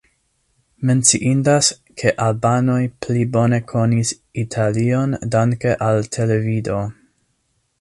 Menciindas, ke albanoj pli bone konis Italion danke al televido.